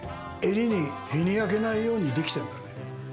襟に日に焼けないようにできてんだね。